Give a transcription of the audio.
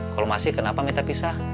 kalau masih kenapa minta pisah